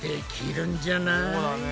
そうだね。